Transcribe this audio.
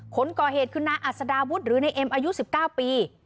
คนก่อเหตุคือนายอัศดาวุฒิหรือนายเอ็มอายุ๑๙ปี